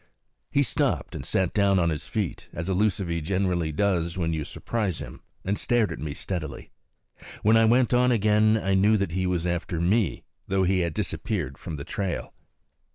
He stopped and sat down on his feet, as a lucivee generally does when you surprise him, and stared at me steadily. When I went on again I knew that he was after me, though he had disappeared from the trail.